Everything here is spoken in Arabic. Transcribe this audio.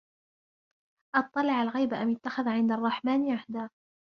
أَطَّلَعَ الْغَيْبَ أَمِ اتَّخَذَ عِنْدَ الرَّحْمَنِ عَهْدًا